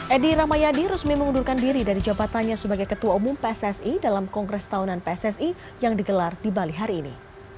edi rahmayadi resmi mengundurkan diri dari jabatannya sebagai ketua umum pssi dalam kongres tahunan pssi yang digelar di bali hari ini